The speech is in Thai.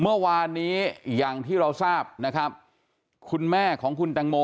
เมื่อวานนี้อย่างที่เราทราบนะครับคุณแม่ของคุณแตงโม